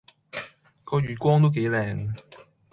個月光都幾靚